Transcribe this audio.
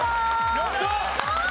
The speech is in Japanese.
やったー！